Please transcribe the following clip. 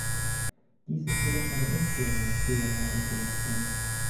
Dies ist jedoch eine Umkehrung früherer Einschulungstrends.